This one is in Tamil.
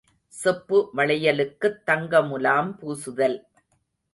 செப்பு வளையலுக்குத் தங்க முலாம் பூசுதல்.